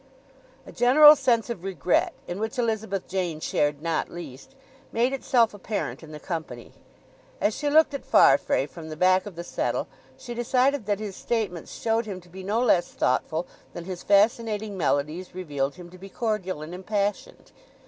A general sense of regret, in which Elizabeth Jane shared not least, made itself apparent in the company. As she looked at Farfrae from the back of the settle she decided that his statements showed him to be no less thoughtful than his fascinating melodies revealed him to be cordial and impassioned.